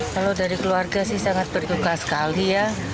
kalau dari keluarga sih sangat bertugas sekali ya